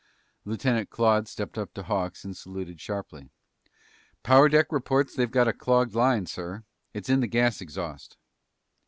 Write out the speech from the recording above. Lieutenant Claude stepped up to Hawks and saluted sharply. "Power deck reports they've got a clogged line, sir. It's in the gas exhaust."